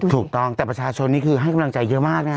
ถูกต้องแต่ประชาชนนี่คือให้กำลังใจเยอะมากนะฮะ